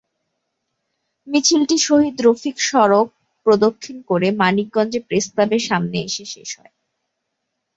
মিছিলটি শহীদ রফিক সড়ক প্রদক্ষিণ করে মানিকগঞ্জ প্রেসক্লাবের সামনে এসে শেষ হয়।